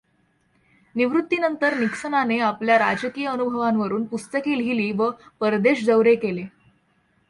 निवॄत्तीनंतर निक्सनाने आपल्या राजकीय अनुभवांवरून पुस्तके लिहिली व परदेश दौरे केले.